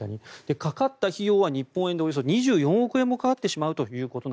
かかった費用は日本円でおよそ２４億円かかってしまうと。